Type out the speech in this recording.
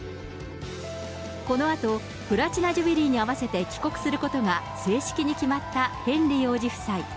このあと、プラチナジュビリーに合わせて帰国することが正式に決まったヘンリー王子夫妻。